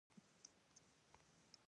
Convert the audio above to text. بیا بیا پرې کار وکړئ.